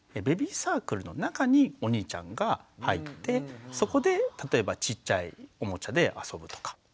ベビーサークルの中にお兄ちゃんが入ってそこで例えばちっちゃいおもちゃで遊ぶとか。